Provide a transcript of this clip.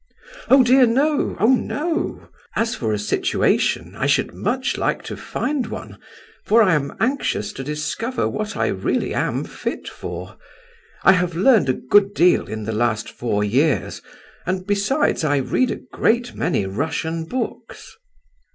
"Oh dear no, oh no! As for a situation, I should much like to find one for I am anxious to discover what I really am fit for. I have learned a good deal in the last four years, and, besides, I read a great many Russian books."